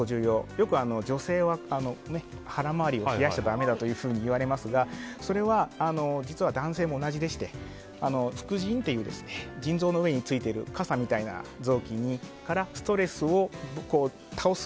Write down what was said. よく女性は腹回りを冷やしちゃダメだといわれますがそれは、実は男性も同じでして副腎っていう腎臓の上についている傘みたいな臓器からストレスを倒す